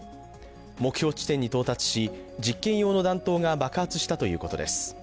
目標地点に到達し実験用の弾頭が爆発したということです。